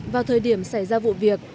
vào thời điểm xảy ra vụ việc